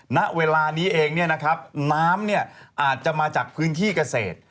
ณเวลานี้เองนะครับน้ำเนี่ยอาจจะมาจากพื้นที่เกษตร